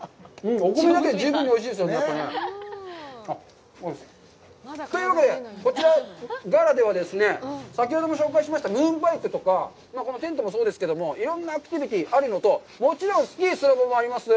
お米だけで十分おいしいですよ。というわけで、こちらのガーラではですね、先ほども紹介しましたムーンバイクとか、このテントもそうですけど、いろんなアクティビティあるのと、もちろん、スキー、スノボもあります。